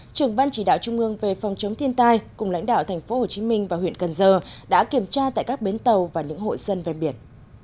trưởng ban chỉ đạo trung ương về phòng chống thiên tai cùng lãnh đạo tp hcm và huyện cần giờ đã kiểm tra tại các bến tàu và những hội dân ven biển